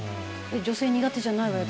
女性苦手じゃないわよ」